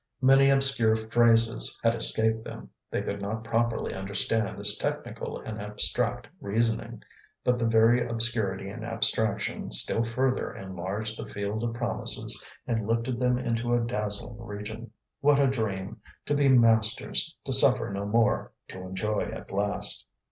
Many obscure phrases had escaped them, they could not properly understand this technical and abstract reasoning; but the very obscurity and abstraction still further enlarged the field of promises and lifted them into a dazzling region. What a dream! to be masters, to suffer no more, to enjoy at last!